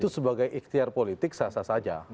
itu sebagai ikhtiar politik sah sah saja